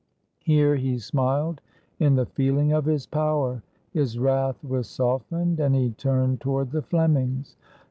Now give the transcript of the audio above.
Here he smiled in the feeling of his power: his wrath was softened, and he turned toward the Flemings.